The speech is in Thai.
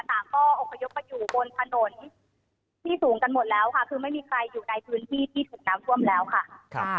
ต่างก็อบพยพไปอยู่บนถนนที่สูงกันหมดแล้วค่ะคือไม่มีใครอยู่ในพื้นที่ที่ถูกน้ำท่วมแล้วค่ะ